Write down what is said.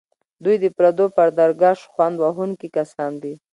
دوی د پردو پر درګاه شخوند وهونکي کسان دي.